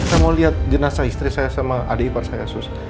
saya mau lihat jenazah istri saya sama adik ipar saya